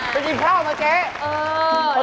ไปกินข้าวมาเจ๊